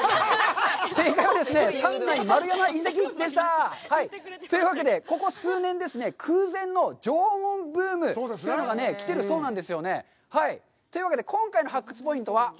正解はですね、三内丸山遺跡でした！というわけで、ここ数年ですね、空前の縄文ブームというのが来てるそうなんですね。というわけで今回の発掘ポイントは。